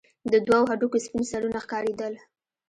د دوو هډوکو سپين سرونه ښكارېدل.